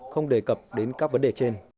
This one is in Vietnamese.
không đề cập đến các vấn đề trên